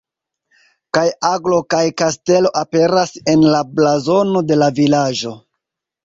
Kaj aglo kaj kastelo aperas en la blazono de la vilaĝo.